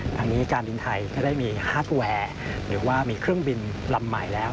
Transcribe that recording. ทางนี้การบินไทยก็ได้มีฮาร์ดแวร์หรือว่ามีเครื่องบินลำใหม่แล้ว